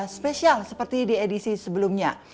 spesial seperti di edisi sebelumnya